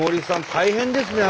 大変ですね